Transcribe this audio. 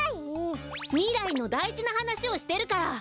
みらいのだいじなはなしをしてるから！